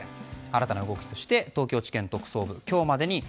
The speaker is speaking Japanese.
新たな動きとして東京地検特捜部は今日までにＡＯＫＩ